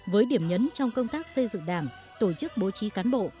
với điểm nhấn trong công tác xây dựng đảng tổ chức bố trí cán bộ